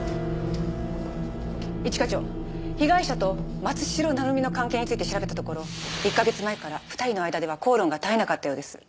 一課長被害者と松代成実の関係について調べたところ１カ月前から２人の間では口論が絶えなかったようです。